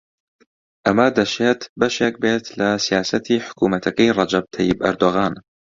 ئەمە دەشێت بەشێک بێت لە سیاسەتی حکوومەتەکەی ڕەجەب تەیب ئەردۆغان